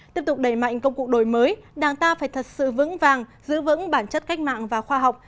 tiếp tục đẩy mạnh công cụ đổi mới đảng ta phải thật sự vững vàng giữ vững bản chất cách mạng và khoa học